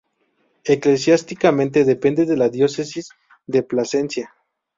Eclesiásticamente depende de la Diócesis de Plasencia.